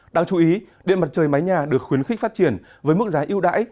đáng chú ý điện mặt trời mái nhà được khuyến khích phát triển với mức giá yêu đáy